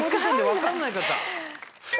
分かんない。